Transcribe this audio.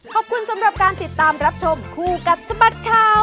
ขอบคุณสำหรับการติดตามรับชมคู่กับสบัดข่าว